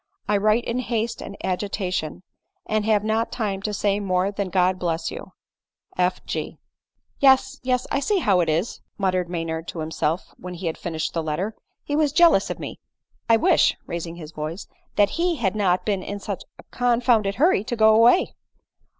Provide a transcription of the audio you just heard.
I write in haste and agitation, and have not time to say more than God bless you ! F. G." " Yes, yes, I see how it is," muttered Mr Maynard to himself when he had finished the letter, " he was jealous of me. 1 wish, (raising his voice) that he had not been in such a confounded hurry to go away."